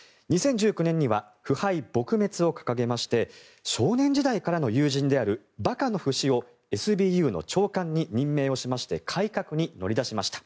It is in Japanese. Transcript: ２０１９年には腐敗撲滅を掲げまして少年時代からの友人であるバカノフ氏をＳＢＵの長官に任命をしまして改革に乗り出しました。